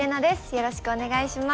よろしくお願いします。